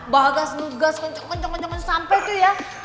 bagas tuh gas kenceng kenceng sampe tuh ya